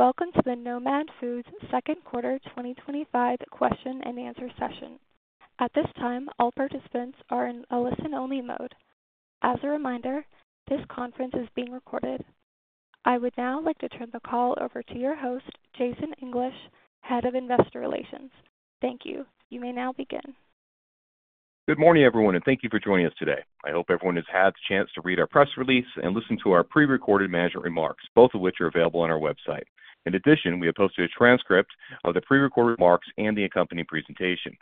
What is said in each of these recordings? Greetings and welcome to the Nomad Foods second quarter 2025 question and answer session. At this time, all participants are in a listen-only mode. As a reminder, this conference is being recorded. I would now like to turn the call over to your host, Jason English, Head of Investor Relations. Thank you. You may now begin. Good morning, everyone, and thank you for joining us today. I hope everyone has had the chance to read our press release and listen to our prerecorded management remarks, both of which are available on our website. In addition, we have posted a transcript of the prerecorded remarks and the accompanying presentation.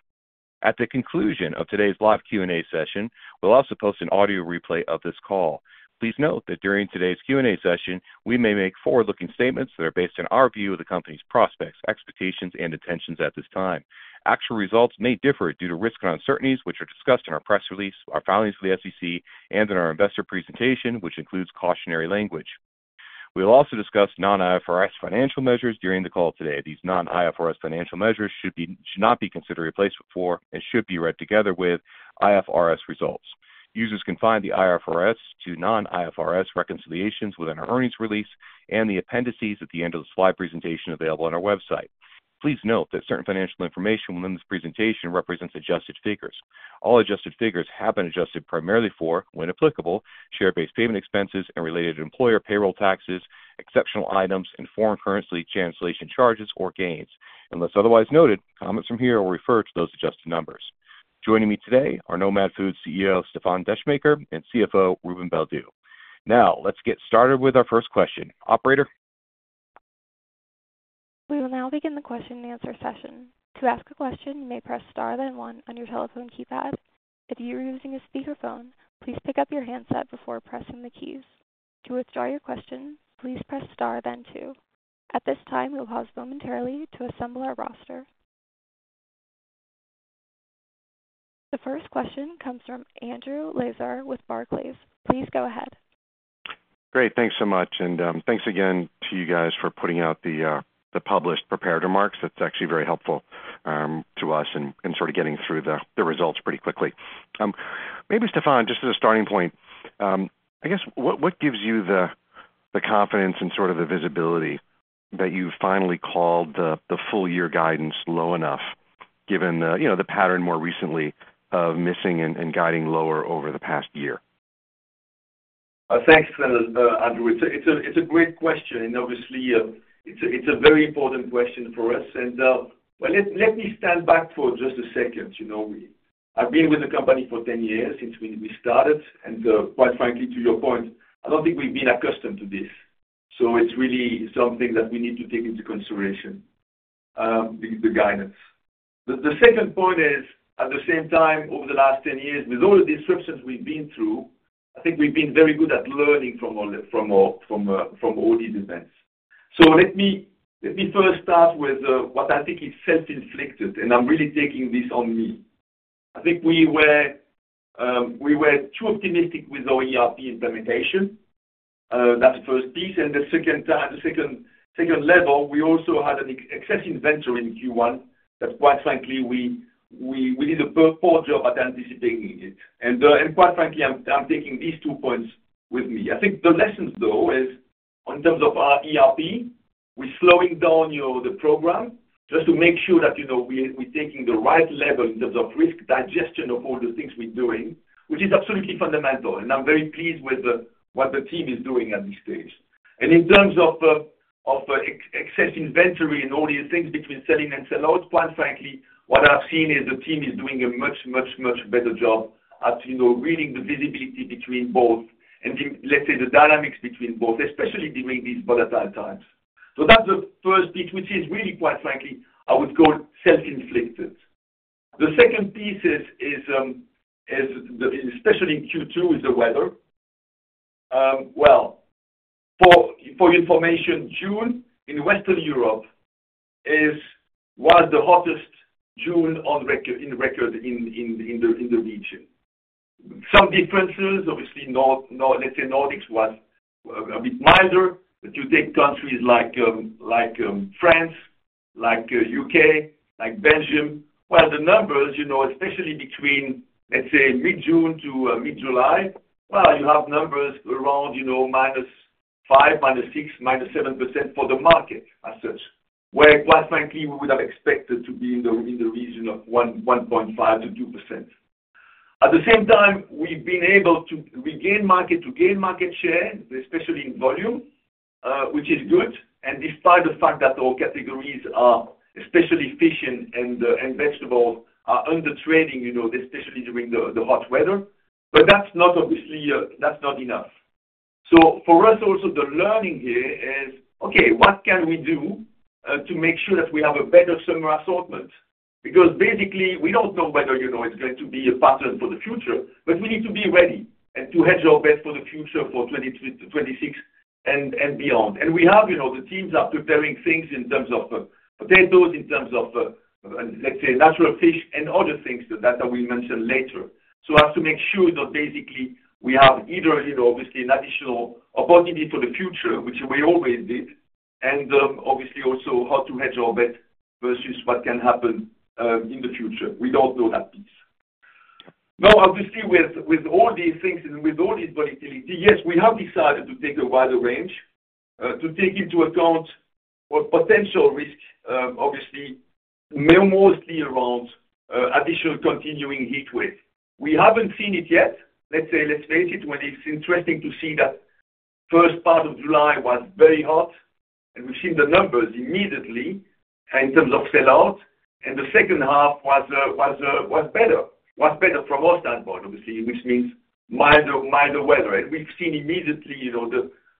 At the conclusion of today's live Q&A session, we'll also post an audio replay of this call. Please note that during today's Q&A session, we may make forward-looking statements that are based on our view of the company's prospects, expectations, and intentions at this time. Actual results may differ due to risk and uncertainties, which are discussed in our press release, our filings for the SEC, and in our investor presentation, which includes cautionary language. We will also discuss non-IFRS financial measures during the call today. These non-IFRS financial measures should not be considered a replacement for and should be read together with IFRS results. Users can find the IFRS to non-IFRS reconciliations within our earnings release and the appendices at the end of the slide presentation available on our website. Please note that certain financial information within this presentation represents adjusted figures. All adjusted figures have been adjusted primarily for, when applicable, share-based payment expenses and related employer payroll taxes, exceptional items, and foreign currency translation charges or gains. Unless otherwise noted, comments from here will refer to those adjusted numbers. Joining me today are Nomad Foods CEO Stéfan Descheemaeker and CFO Ruben Baldew. Now, let's get started with our first question. Operator. We will now begin the question and answer session. To ask a question, you may press star then one on your telephone keypad. If you are using a speakerphone, please pick up your handset before pressing the keys. To withdraw your question, please press star then two. At this time, we will pause momentarily to assemble our roster. The first question comes from Andrew Lazar with Barclays. Please go ahead. Great, thanks so much. Thanks again to you guys for putting out the published prepared remarks. That's actually very helpful to us in sort of getting through the results pretty quickly. Maybe Stéfan, just as a starting point, I guess what gives you the confidence and sort of the visibility that you've finally called the full-year guidance low enough, given the pattern more recently of missing and guiding lower over the past year? Thanks for that, Andrew. It's a great question. Obviously, it's a very important question for us. Let me stand back for just a second. You know, I've been with the company for 10 years since we started. Quite frankly, to your point, I don't think we've been accustomed to this. It's really something that we need to take into consideration, the guidance. The second point is, at the same time, over the last 10 years, with all the disruptions we've been through, I think we've been very good at learning from all these events. Let me first start with what I think is self-inflicted, and I'm really taking this on me. I think we were too optimistic with our ERP implementation. That's the first piece. The second level, we also had an excess inventory in Q1 that, quite frankly, we did a poor job at anticipating it. Quite frankly, I'm taking these two points with me. I think the lessons, though, is in terms of our ERP, we're slowing down the program just to make sure that we're taking the right level in terms of risk digestion of all the things we're doing, which is absolutely fundamental. I'm very pleased with what the team is doing at this stage. In terms of excess inventory and all these things between selling and sell-out, quite frankly, what I've seen is the team is doing a much, much, much better job at reading the visibility between both and the dynamics between both, especially during these volatile times. That's the first piece, which is really, quite frankly, I would call self-inflicted. The second piece is, especially in Q2, is the weather. For your information, June in Western Europe was the hottest June on record in the region. Some differences, obviously, Nordics was a bit milder. If you take countries like France, the UK, Belgium, the numbers, especially between mid-June to mid-July, you have numbers around -5%, -6%, -7% for the market as such, where quite frankly we would have expected to be in the region of 1.5%-2%. At the same time, we've been able to regain market, to gain market share, especially in volume, which is good. Despite the fact that our categories are, especially fish and vegetables, under trading, especially during the hot weather. That's not enough. For us, also, the learning here is, okay, what can we do to make sure that we have a better summer assortment? Because basically, we don't know whether it's going to be a pattern for the future, but we need to be ready and to hedge our bets for the future for 2023 to 2026 and beyond. We have the teams preparing things in terms of potatoes, in terms of, let's say, natural fish, and other things that we mentioned later. I have to make sure that basically we have either, obviously, an additional opportunity for the future, which we always did, and obviously also how to hedge our bets versus what can happen in the future. We don't know that piece. Now, obviously, with all these things and with all this volatility, yes, we have decided to take a wider range to take into account what potential risk, obviously, may mostly be around additional continuing heatwave. We haven't seen it yet. Let's face it, it's interesting to see that the first part of July was very hot, and we've seen the numbers immediately in terms of sell-out. The second half was better, was better from our standpoint, obviously, which means milder, milder weather. We've seen immediately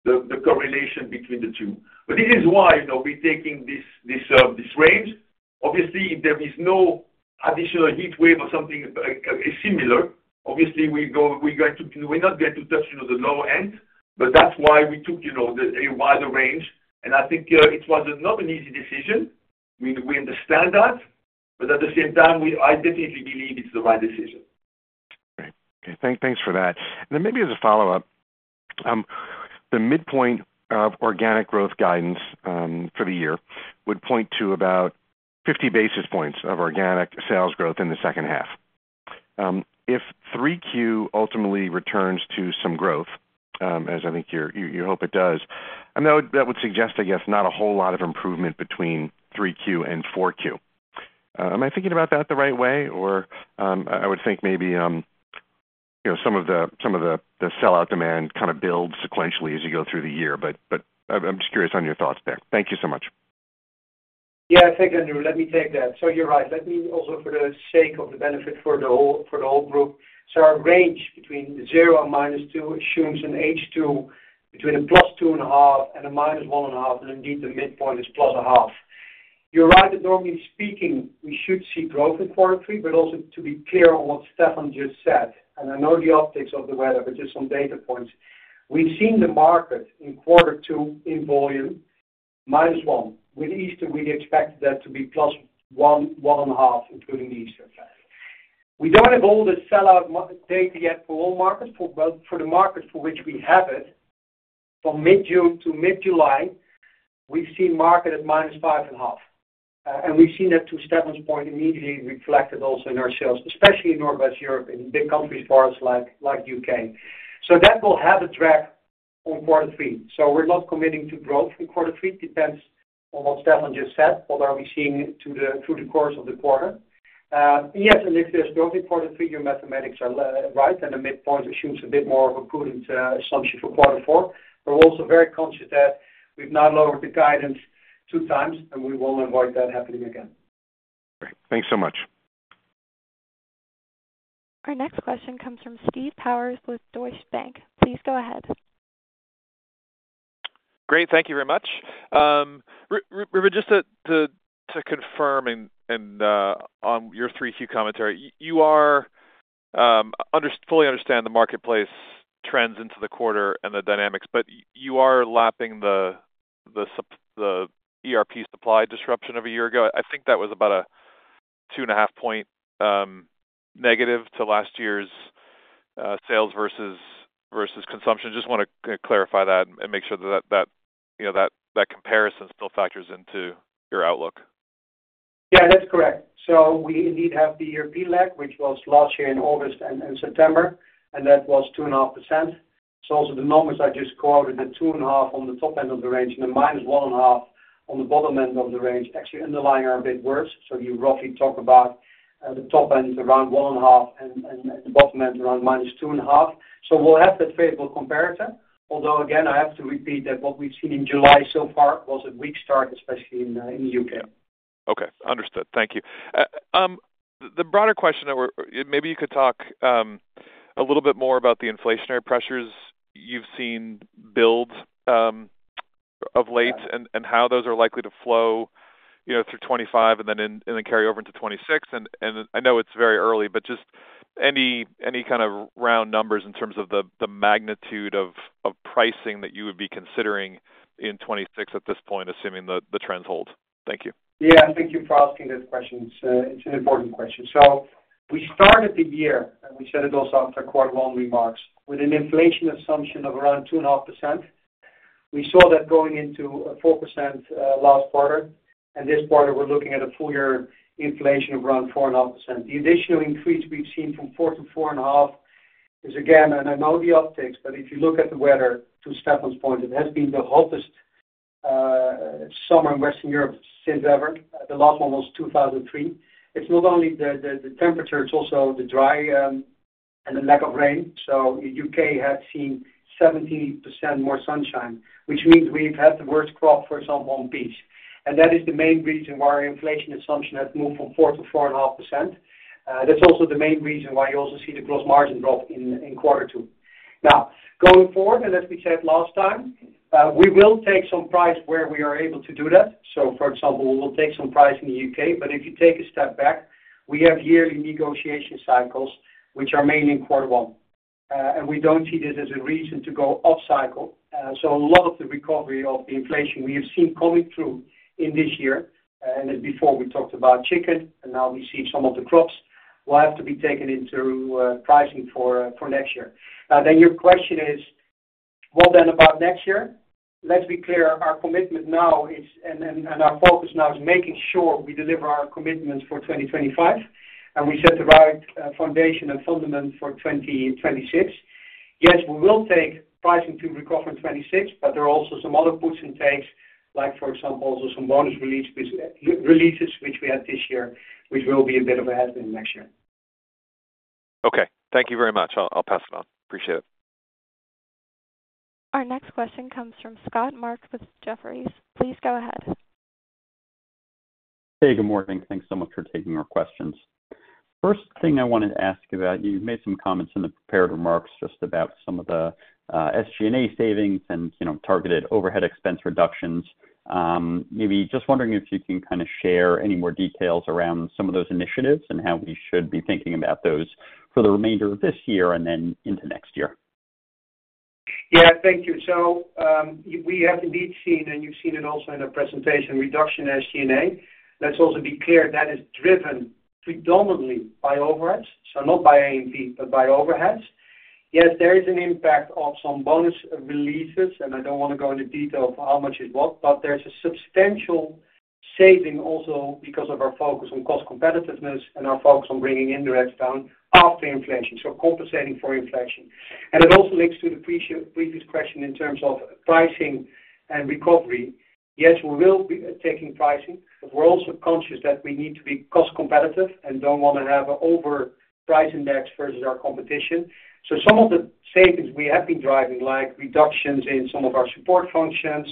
the correlation between the two. This is why we're taking this range. Obviously, if there is no additional heatwave or something similar, obviously, we're not going to touch the lower end. That's why we took a wider range. I think it was not an easy decision. We understand that. At the same time, I definitely believe it's the right decision. Right. Okay. Thanks for that. Maybe as a follow-up, the midpoint of organic growth guidance for the year would point to about 50 basis points of organic sales growth in the second half. If 3Q ultimately returns to some growth, as I think you hope it does, that would suggest, I guess, not a whole lot of improvement between 3Q and 4Q. Am I thinking about that the right way? I would think maybe some of the sell-out demand kind of builds sequentially as you go through the year. I'm just curious on your thoughts there. Thank you so much. Yeah, thanks, Andrew. Let me take that. You're right. Let me also, for the sake of the benefit for the whole group, our range between 0 and -2 assumes an H2 between a +2.5 and a -1.5. Indeed, the midpoint is +0.5. You're right that normally speaking, we should see growth in quarter three, but also to be clear on what Stéfan just said, and I know the optics of the weather, just some data points. We've seen the market in quarter two in volume -1. With Easter, we expect that to be +1, +1.5, including the Easter fest. We don't have all the sell-out data yet for all markets, but for the market for which we have it, from mid-June to mid-July, we've seen market at -5.5. We've seen that, to Stéfan's point, immediately reflected also in our sales, especially in Northwest Europe and big countries for us like the U.K. That will have a drag on quarter three. We're not committing to growth in quarter three. It depends on what Stéfan just said, what are we seeing through the course of the quarter. Yes. If there's growth in quarter three, your mathematics are right, and the midpoint assumes a bit more of a cooling assumption for quarter four. We're also very conscious that we've now lowered the guidance two times, and we will avoid that happening again. Great. Thanks so much. Our next question comes from Steve Powers with Deutsche Bank. Please go ahead. Great. Thank you very much. Ruben, just to confirm, on your 3Q commentary, you fully understand the marketplace trends into the quarter and the dynamics, but you are lapping the ERP supply disruption of a year ago. I think that was about a 2.5 point negative to last year's sales versus consumption. Just want to clarify that and make sure that comparison still factors into your outlook. Yeah, that's correct. We did indeed have the ERP lag, which was last year in August and September, and that was 2.5%. The numbers I just quoted, the 2.5% on the top end of the range and the -1.5% on the bottom end of the range, actually underlying are a bit worse. You roughly talk about the top end around 1.5% and the bottom end around -2.5%. We'll have the favorable comparator. Although, again, I have to repeat that what we've seen in July so far was a weak start, especially in the U.K. Okay. Understood. Thank you. The broader question I had, maybe you could talk a little bit more about the inflationary pressures you've seen build of late and how those are likely to flow through 2025 and then carry over into 2026. I know it's very early, but just any kind of round numbers in terms of the magnitude of pricing that you would be considering in 2026 at this point, assuming the trends hold. Thank you. Yeah, thank you for asking that question. It's an important question. We started the year, and we set it also up for quite long remarks with an inflation assumption of around 2.5%. We saw that going into 4% last quarter. This quarter, we're looking at a full-year inflation of around 4.5%. The additional increase we've seen from 4%-4.5% is, again, and I know the optics, but if you look at the weather, to Stéfan's point, it has been the hottest summer in Western Europe since ever. The last one was 2003. It's not only the temperature, it's also the dry and the lack of rain. The U.K. has seen 70% more sunshine, which means we've had the worst crop for some one piece. That is the main reason why our inflation assumption has moved from 4%-4.5%. That's also the main reason why you also see the gross margin drop in quarter two. Now, going forward, as we said last time, we will take some price where we are able to do that. For example, we will take some price in the U.K. If you take a step back, we have annual negotiation cycles, which are mainly in quarter one. We don't see this as a reason to go off cycle. A lot of the recovery of inflation we have seen coming through in this year, and as before, we talked about chicken, and now we see some of the crops will have to be taken into pricing for next year. Your question is, what then about next year? Let's be clear. Our commitment now is, and our focus now is making sure we deliver our commitments for 2025. We set the right foundation and fundament for 2026. Yes, we will take pricing to recover in 2026, but there are also some other boots and tapes, like for example, also some bonus releases, which we had this year, which will be a bit of a headwind next year. Okay, thank you very much. I'll pass it on. Appreciate it. Our next question comes from Scott Marks with Jefferies. Please go ahead. Hey, good morning. Thanks so much for taking our questions. First thing I wanted to ask you about, you've made some comments in the prepared remarks just about some of the SG&A savings and, you know, targeted overhead expense reductions. Maybe just wondering if you can kind of share any more details around some of those initiatives and how we should be thinking about those for the remainder of this year and then into next year. Yeah, thank you. We have indeed seen, and you've seen it also in a presentation, reduction in SG&A. Let's also be clear that is driven predominantly by overhead, so not by A&P, but by overhead. Yes, there is an impact of some bonus releases, and I don't want to go into detail of how much is what, but there's a substantial saving also because of our focus on cost competitiveness and our focus on bringing interest down after inflation, so compensating for inflation. That also links to the previous question in terms of pricing and recovery. Yes, we will be taking pricing, but we're also conscious that we need to be cost competitive and don't want to have overpricing debts versus our competition. Some of the savings we have been driving, like reductions in some of our support functions,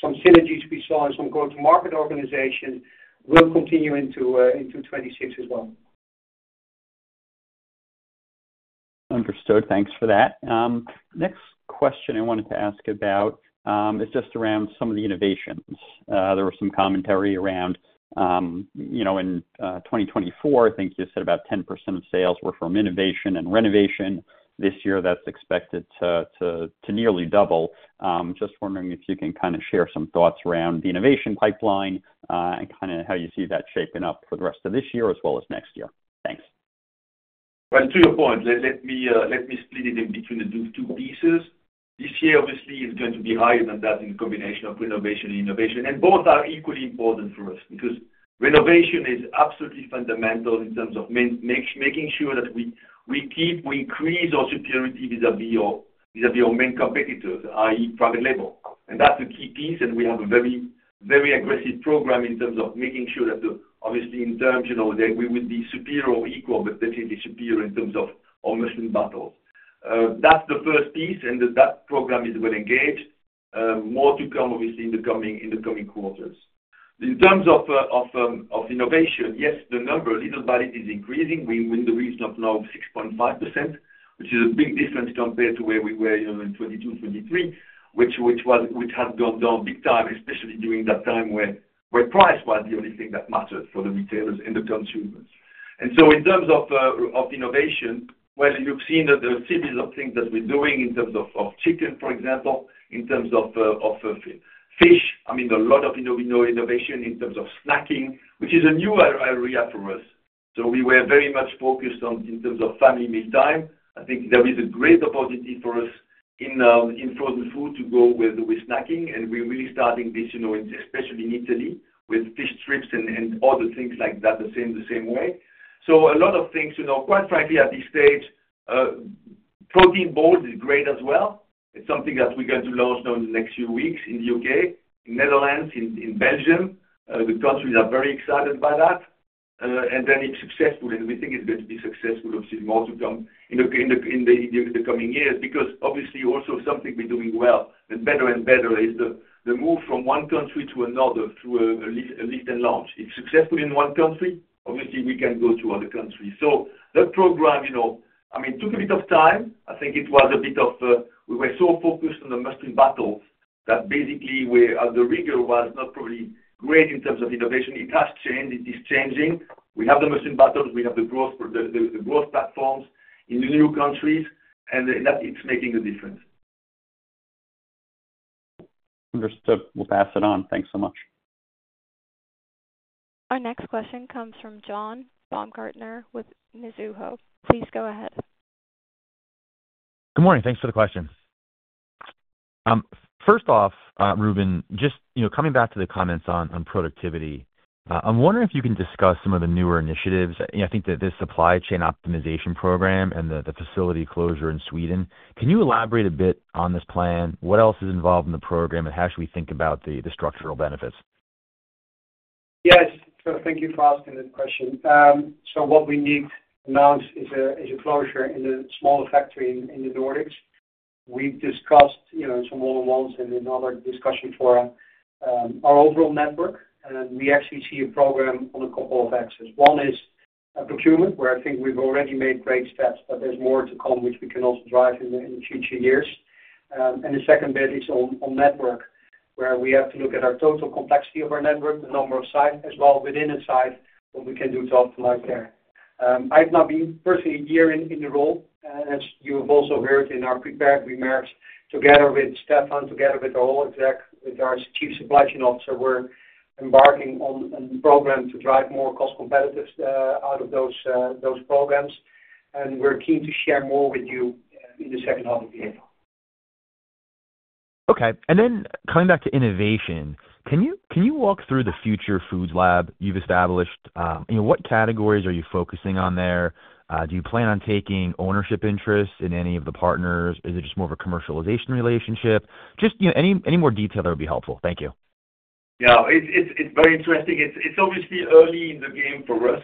some synergies we saw in some go-to-market organizations, will continue into 2026 as well. Understood. Thanks for that. Next question I wanted to ask about is just around some of the innovations. There was some commentary around, you know, in 2024, I think you said about 10% of sales were from innovation and renovation. This year, that's expected to nearly double. Just wondering if you can kind of share some thoughts around the innovation pipeline, and kind of how you see that shaping up for the rest of this year as well as next year. Thanks. To your point, let me split it between these two pieces. This year, obviously, it's going to be higher than that in a combination of renovation and innovation. Both are equally important for us because renovation is absolutely fundamental in terms of making sure that we keep, we increase our security vis-à-vis our main competitors, i.e., private label. That's a key piece. We have a very, very aggressive program in terms of making sure that, obviously, in terms, you know, that we would be superior or equal, but definitely superior in terms of our muscle battle. That's the first piece. That program is going to get more to come, obviously, in the coming quarters. In terms of innovation, yes, the number, little by little, is increasing. We win the reason of now 6.5%, which is a big difference compared to where we were, you know, in 2022, 2023, which had gone down big time, especially during that time where price was the only thing that mattered for the retailers and the consumers. In terms of innovation, you've seen that the series of things that we're doing in terms of chicken, for example, in terms of fish, a lot of innovation in terms of snacking, which is a new area for us. We were very much focused on family meal time. I think there is a great opportunity for us in frozen food to go with the snacking. We're really starting this, especially in Italy with fish strips and other things like that the same way. A lot of things, quite frankly, at this stage, protein bowls is great as well. It's something that we're going to launch now in the next few weeks in the U.K., in the Netherlands, in Belgium. The countries are very excited by that. If it's successful, and we think it's going to be successful, obviously, more to come in the coming years because, obviously, also something we're doing well and better and better is the move from one country to another through a lease and launch. If it's successful in one country, obviously, we can go to other countries. That program, it took a bit of time. I think it was a bit of, we were so focused on the muscle battle that basically, where the rigor was not probably great in terms of innovation, it has changed. It is changing. We have the muscle battle. We have the growth platforms in the new countries. That is making a difference. Understood. We'll pass it on. Thanks so much. Our next question comes from John Baumgartner with Mizuho. Please go ahead. Good morning. Thanks for the question. First off, Ruben, just coming back to the comments on productivity, I'm wondering if you can discuss some of the newer initiatives. I think that this supply chain optimization program and the facility closure in Sweden, can you elaborate a bit on this plan? What else is involved in the program, and how should we think about the structural benefits? Yes. Thank you for asking this question. What we need now is a closure in a small factory in the Nordics. We've discussed some other ones and another discussion for our overall network. We actually see a program on a couple of axes. One is procurement, where I think we've already made great steps, but there's more to come, which we can also drive in the future years. The second bit is on network, where we have to look at our total complexity of our network, the number of sites as well within a site, what we can do to optimize there. I've not been personally here in the role. As you've also heard in our prepared remarks, together with Stéfan, together with our exec, with our Chief Supply Chain Officer, we're embarking on a program to drive more cost competitive out of those programs. We're keen to share more with you in the second half of the year. Okay. Coming back to innovation, can you walk through the Future Foods Lab you've established? What categories are you focusing on there? Do you plan on taking ownership interest in any of the partners? Is it just more of a commercialization relationship? Any more detail that would be helpful. Thank you. Yeah, it's very interesting. It's obviously early in the game for us,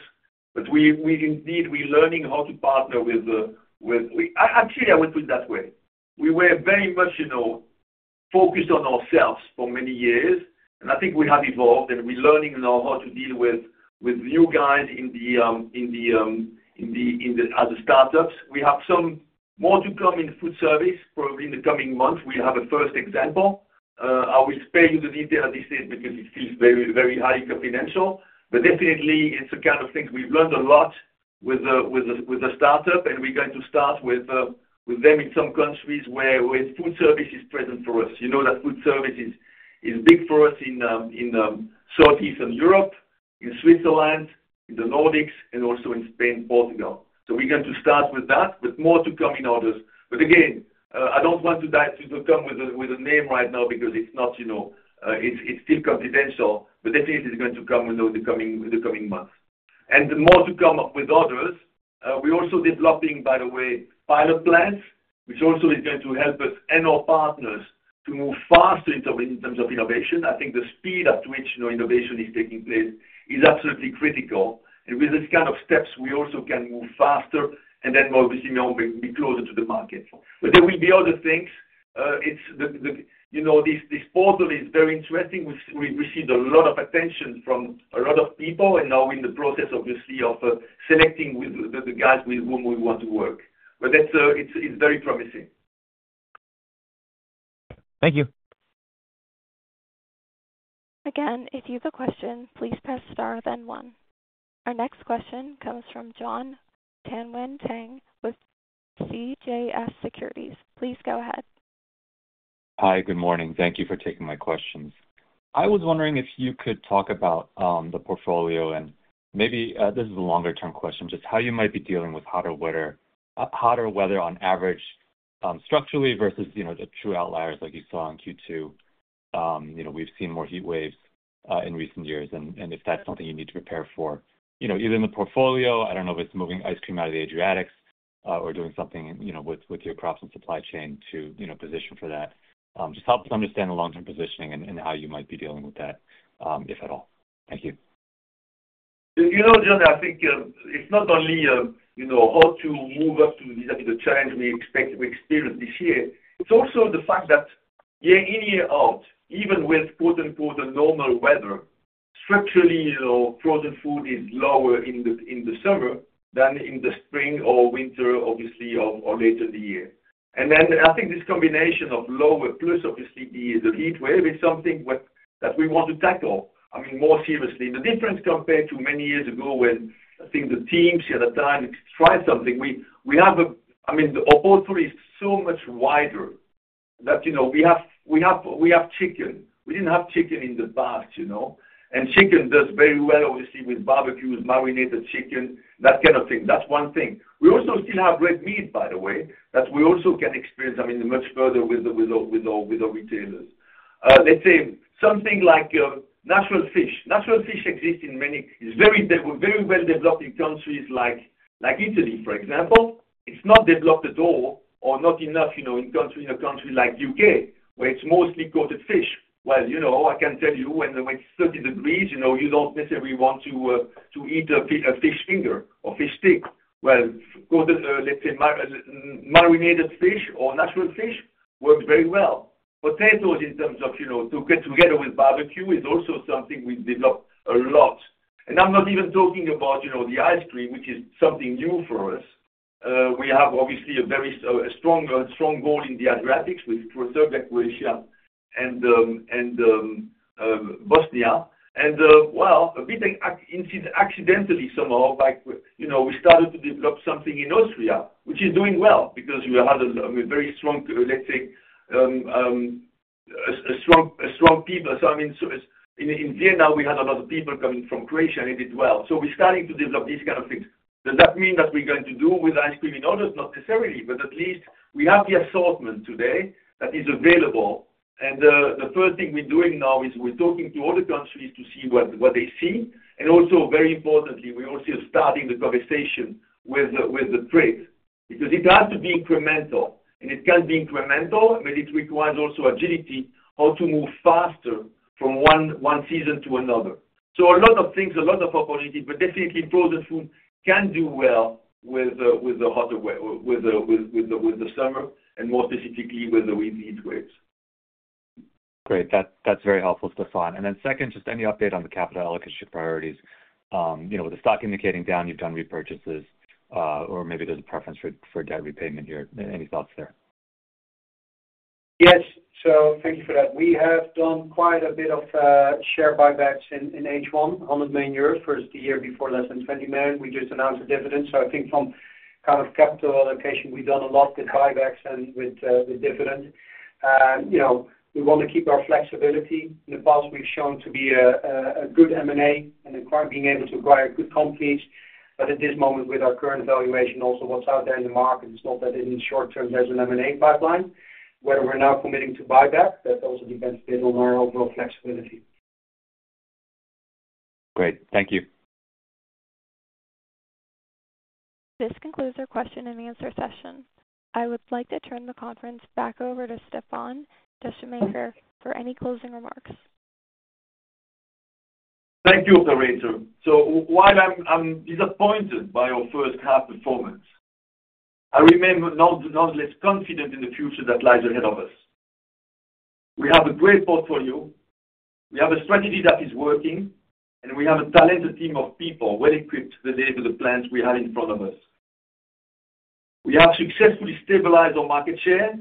but we've indeed, we're learning how to partner with, actually, I would put it that way. We were very much focused on ourselves for many years. I think we have evolved and we're learning now how to deal with new guys as a startup. We have some more to come in food service in the coming months. We have a first example. I will spare you the details as I said because it feels very, very highly confidential. Definitely, it's the kind of things we've learned a lot with the startup. We're going to start with them in some countries where food service is present for us. You know that food service is big for us in Southeastern Europe, in Switzerland, in the Nordics, and also in Spain and Portugal. We're going to start with that, more to come in others. I don't want to come with a name right now because it's still confidential. Definitely, it's going to come in the coming months. More to come with others, we're also developing, by the way, pilot plans, which also is going to help us and our partners to move faster in terms of innovation. I think the speed at which innovation is taking place is absolutely critical. With this kind of steps, we also can move faster and then more obviously be closer to the market. There will be other things. This portal is very interesting. We've received a lot of attention from a lot of people. Now we're in the process, obviously, of selecting the guys with whom we want to work. It's very promising. Thank you. Again, if you have a question, please press star then one. Our next question comes from Jon Tanwanteng with CJS Securities. Please go ahead. Hi, good morning. Thank you for taking my questions. I was wondering if you could talk about the portfolio and maybe this is a longer-term question, just how you might be dealing with hotter weather on average, structurally versus the true outliers like you saw in Q2. We've seen more heatwaves in recent years, and if that's something you need to prepare for, either in the portfolio, I don't know if it's moving ice cream out of the Adriatics or doing something with your crops and supply chain to position for that. Just help us understand the long-term positioning and how you might be dealing with that, if at all. Thank you. You know, John, I think it's not only how to move up to these are the challenges we experienced this year. It's also the fact that year in, year out, even with "the normal weather," structurally, frozen food is lower in the summer than in the spring or winter, obviously, or later in the year. I think this combination of lower, plus obviously the heatwave, it's something that we want to tackle more seriously. The difference compared to many years ago when I think the teams here at the time tried something, we have a, I mean, the portfolio is so much wider that we have chicken. We didn't have chicken in the past, you know. Chicken does very well, obviously, with barbecues, marinated chicken, that kind of thing. That's one thing. We also still have red meat, by the way, that we also can experience much further with the retailers. Let's say something like natural fish. Natural fish exists in many very, very well-developing countries like Italy, for example. It's not developed at all or not enough in a country like the U.K., where it's mostly coated fish. I can tell you when it's 30 degrees you don't necessarily want to eat a fish finger or fish stick. Marinated fish or natural fish work very well. Potatoes, in terms of together with barbecue, is also something we develop a lot. I'm not even talking about the ice cream, which is something new for us. We have obviously a very strong bowl in the Adriatics with Serbia, Croatia, and Bosnia. A bit accidentally somehow, we started to develop something in Austria, which is doing well because we had very strong people. In Vienna, we had a lot of people coming from Croatia, and it did well. We're starting to develop these kind of things. Does that mean that we're going to do it with ice cream and others? Not necessarily, but at least we have the assortment today that is available. The first thing we're doing now is we're talking to other countries to see what they see. Also, very importantly, we're also starting the conversation with the trade because it has to be incremental. It can be incremental, but it requires also agility, how to move faster from one season to another. A lot of things, a lot of opportunities, but definitely frozen food can do well with the hotter weather, with the summer, and more specifically with the weekly heatwaves. Great. That's very helpful, Stéfan. Second, just any update on the capital allocation priorities? You know, with the stock indicating down, you've done repurchases, or maybe there's a preference for debt repayment here. Any thoughts there? Yes. Thank you for that. We have done quite a bit of share buybacks in H1, 100 million euros for the year before less than 20 million. We just announced a dividend. I think from kind of capital allocation, we've done a lot with buybacks and with dividends. We want to keep our flexibility. In the past, we've shown to be good at M&A and quite able to acquire good companies. At this moment, with our current evaluation and also what's out there in the market, it's not that in the short term, there's an M&A pipeline. Whether we're now committing to buyback, that also depends a bit on our overall flexibility. Great. Thank you. This concludes our question and answer session. I would like to turn the conference back over to Stéfan Descheemaeker for any closing remarks. Thank you, operator. While I'm disappointed by our first half performance, I remain not less confident in the future that lies ahead of us. We have a great portfolio. We have a strategy that is working, and we have a talented team of people well equipped related to the plans we have in front of us. We have successfully stabilized our market share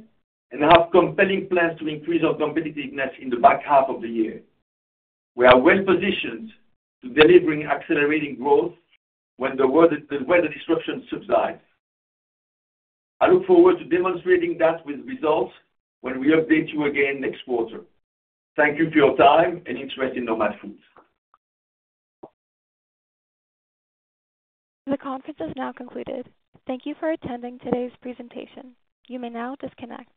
and have compelling plans to increase our competitiveness in the back half of the year. We are well positioned to delivering accelerating growth when the weather disruption subsides. I look forward to demonstrating that with results when we update you again next quarter. Thank you for your time and interest in Nomad Foods. The conference is now concluded. Thank you for attending today's presentation. You may now disconnect.